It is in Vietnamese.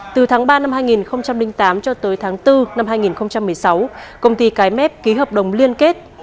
từ tháng ba năm hai nghìn tám cho tới tháng bốn năm hai nghìn một mươi sáu công ty cái mép ký hợp đồng liên kết